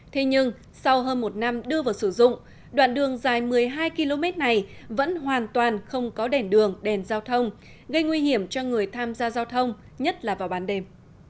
thế nhưng sau hơn một năm đưa vào sử dụng đoạn đường dài một mươi hai km này vẫn hoàn toàn không có đèn đường đèn giao thông gây nguy hiểm cho người tham gia giao thông nhất là vào ban đêm